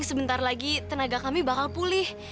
sebentar lagi tenaga kami bakal pulih